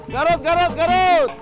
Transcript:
garut garut garut